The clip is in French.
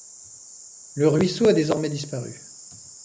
Le ruisseau a désormais disparu.